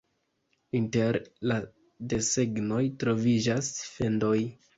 Inter la desegnoj troviĝas fendoj.